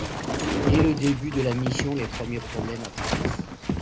Dès le début de la mission les premiers problèmes apparaissent.